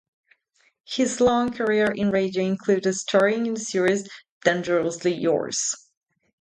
His long career in radio included starring in the series "Dangerously Yours".